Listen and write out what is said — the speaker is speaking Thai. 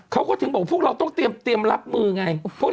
เขาก็ถึงบอกพวกเราต้องเตรียมรับมือไง